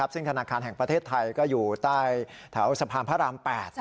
ซึ่งธนาคารแห่งประเทศไทยก็อยู่ใต้แถวสะพานพระราม๘